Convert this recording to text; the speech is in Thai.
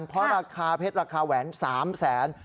เพราะราคาเพชรราคาแหวน๓แสน